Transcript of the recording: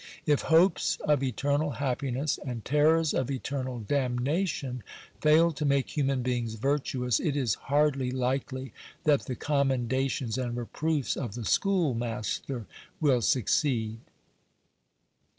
If hopes of eternal happiness and terrors of eternal damnation fail to make human beings virtuous, it is hardly likely that the commendations and reproofs of the schoolmaster will succeed.